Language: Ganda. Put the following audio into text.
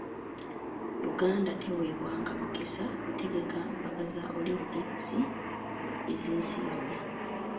Uganda teweebwanga mukisa kutegeka mpaka za olimpikisi ez’ensi yonna.